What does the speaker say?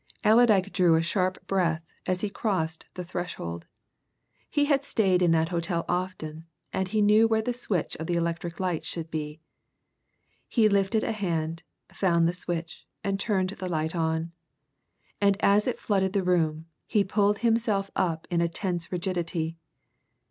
Allerdyke drew a sharp breath as he crossed the threshold. He had stayed in that hotel often, and he knew where the switch of the electric light should be. He lifted a hand, found the switch, and turned the light on. And as it flooded the room, he pulled himself up to a tense rigidity.